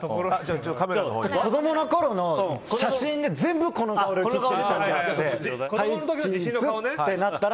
子供のころの写真で全部この顔で写ってます。